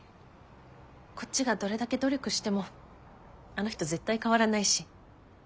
こっちがどれだけ努力してもあの人絶対変わらないし。